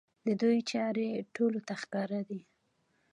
د دوی چارې ټولو ته ښکاره دي.